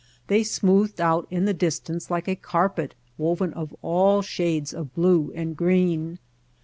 They smoothed out in the distance like a carpet woven of all shades of blue and green.